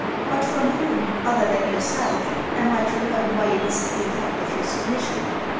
'But from whom, other than yourself, am I to learn why it is the effect of your submission?'